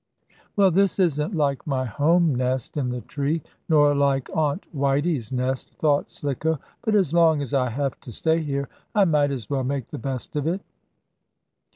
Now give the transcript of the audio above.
"Well, this isn't like my home nest in the tree, nor like Aunt Whitey's nest," thought Slicko, "but as long as I have to stay here, I might as well make the best of it.